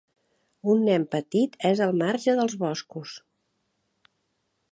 Un nen petit és al marge dels boscos.